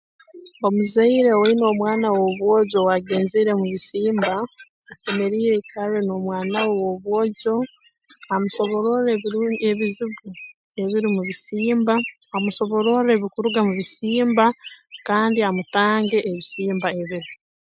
Omuzaire owaine omwana w'obwojo owaagenzere mu bisimba asemeriire aikarre n'omwana we w'obwojo amusobororre ebiru ebizibu ebiri mu bisimba amusobororre ebikuruga mu bisimba kandi amutange ebisimba ebibi